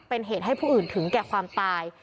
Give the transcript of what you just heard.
เป็นเหตุให้ผู้อื่นถึงแก่ความตาย